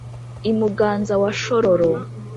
i muganza wa shororo